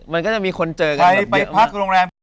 ผ่านเป็นคนเจอกัน